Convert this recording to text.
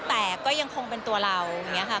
แต่ก็ยังคงเป็นตัวเราอย่างนี้ค่ะ